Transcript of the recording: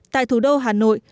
tại thủ đô hà nội